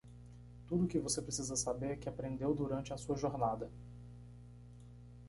Tudo o que você precisa saber que aprendeu durante a sua jornada.